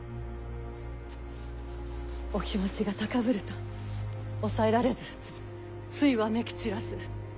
お気持ちが高ぶると抑えられずついわめき散らす。